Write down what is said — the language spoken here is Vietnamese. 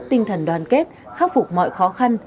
tinh thần đoàn kết khắc phục mọi khó khăn